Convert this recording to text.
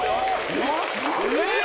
えっ！？